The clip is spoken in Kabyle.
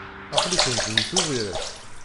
Aql-ikent deg Tubiret.